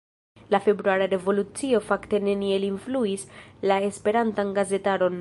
La februara revolucio fakte neniel influis la Esperantan gazetaron.